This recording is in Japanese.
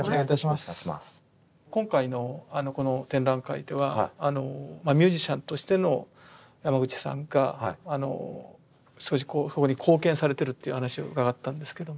今回の展覧会ではミュージシャンとしての山口さんが少しそこに貢献されてるっていう話を伺ったんですけども。